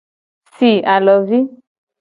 Si alovi.